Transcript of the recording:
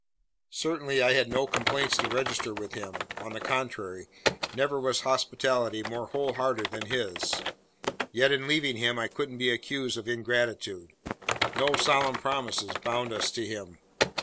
Certainly I had no complaints to register with him, on the contrary. Never was hospitality more wholehearted than his. Yet in leaving him I couldn't be accused of ingratitude. No solemn promises bound us to him.